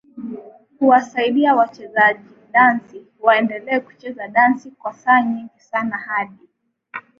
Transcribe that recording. huwasaidia wachezajidansi waendelee kucheza dansi kwa saa nyingi sana hadi